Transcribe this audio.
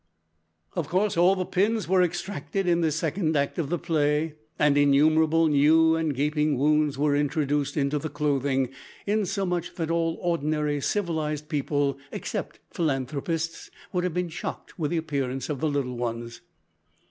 Of course all the pins were extracted in this second act of the play, and innumerable new and gaping wounds were introduced into the clothing, insomuch that all ordinary civilised people, except philanthropists, would have been shocked with the appearance of the little ones.